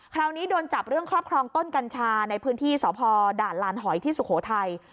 คราวนี้โดนจับเรื่องครอบครองต้นกัญชาในพื้นที่สพด่านลานหอยที่สุโขทัย